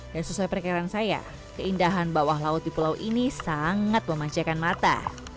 dan sesuai perikiran saya keindahan bawah laut di pulau ini sangat memanjakan mata